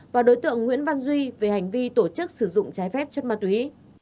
và đối tượng nguyễn văn duy về hành vi tổ chức sử dụng trái phép chất ma túy